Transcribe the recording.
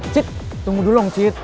cit tunggu dulu dong cit